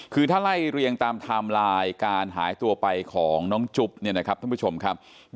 คือถ้าไล่เรียงตามไทม์ไลน์การหายตัวไปของน้องจุ๊บเนี่ยนะครับท่านผู้ชมครับ